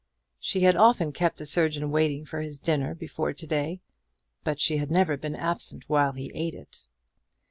She had often kept the surgeon waiting for his dinner before to day; but she had never been absent when he ate it.